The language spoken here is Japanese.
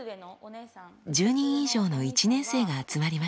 １０人以上の１年生が集まりました。